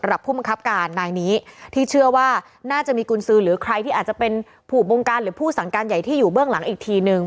ผู้บังคับการนายนี้ที่เชื่อว่าน่าจะมีกุญสือหรือใครที่อาจจะเป็นผู้บงการหรือผู้สั่งการใหญ่ที่อยู่เบื้องหลังอีกทีนึง